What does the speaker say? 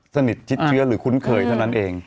นิดชิดเชื้อหรือคุ้นเคยเท่านั้นเอง